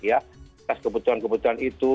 atas kebutuhan kebutuhan itu